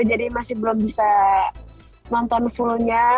jadi masih belum bisa nonton fullnya